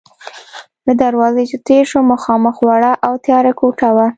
له دروازې چې تېر شوم، مخامخ وړه او تیاره کوټه وه.